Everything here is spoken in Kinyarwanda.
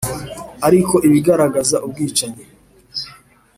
ariko ibigaragaza ubwicanyi